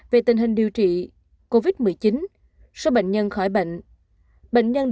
về tình hình điều trị covid một mươi chín số bệnh nhân khỏi bệnh